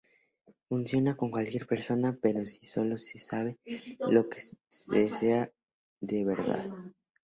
Funciona con cualquier persona, pero sólo si sabe lo que desea de verdad.